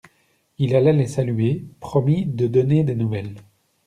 Il alla les saluer, promit de donner des nouvelles.